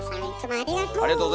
ありがとうございます。